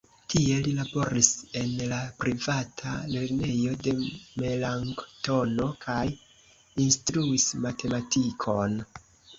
Tie li laboris en la privata lernejo de Melanktono kaj instruis matematikon.